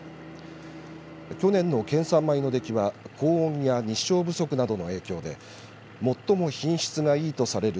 去年の県産米の出来は高温や日照不足などの影響で最も品質がいいとされる